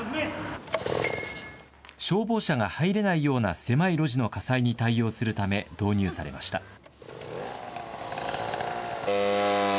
消防車が入れないような狭い路地の火災に対応するため導入されました。